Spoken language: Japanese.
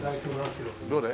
どれ？